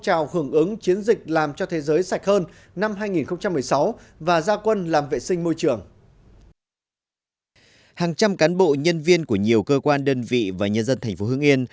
hàng trăm cán bộ nhân viên của nhiều cơ quan đơn vị và nhân dân thành phố hương yên